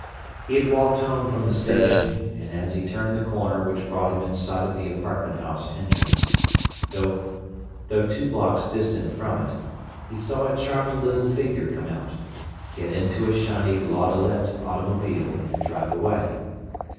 He had walked home from the station, and as he turned the corner which brought him in sight of the apartment house entrance, though two blocks distant from it, he saw a charming little figure come out, get into a shiny landaulet automobile, and drive away.